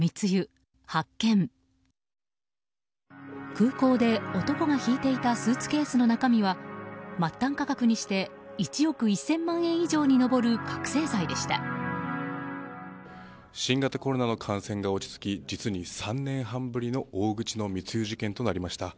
空港で男が引いていたスーツケースの中身は末端価格にして１億１０００万円以上に上る新型コロナの感染が落ち着き実に３年半ぶりの大口の密輸事件となりました。